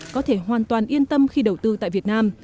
có thể hoàn toàn yên tâm khi đầu tư tại việt nam